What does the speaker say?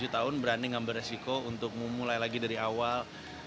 empat puluh tujuh tahun berani gak beresiko untuk memulai lagi dari awal